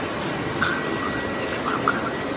د خربوزې پوستکی د تیږې لپاره وکاروئ